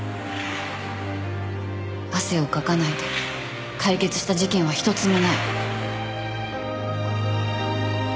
汗をかかないで解決した事件は一つもない。